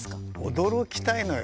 驚きたいのよ。